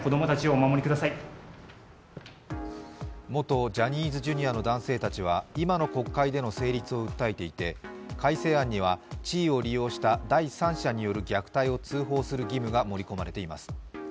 元ジャニーズＪｒ．の男性たちは今の国会での成立を訴えていて改正案には地位を利用した第三者による虐待を通報する義務が盛り込まれています。